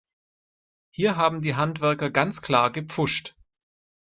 Hier haben die Handwerker ganz klar gepfuscht.